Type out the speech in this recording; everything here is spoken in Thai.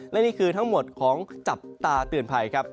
และนี่คือทั้งหมดของจับตาเตือนภัยครับ